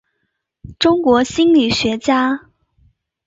中国心理学家。